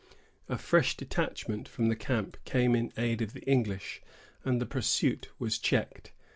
A fresh detachment from the camp came in aid of the English, and the pursuit was checked.